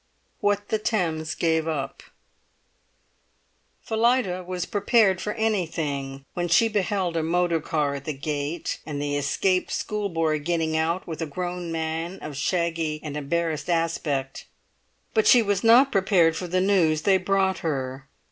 WHAT THE THAMES GAVE UP Phillida was prepared for anything when she beheld a motor car at the gate, and the escaped schoolboy getting out with a grown man of shaggy and embarrassed aspect; but she was not prepared for the news they brought her.